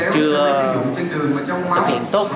chưa thực hiện tốt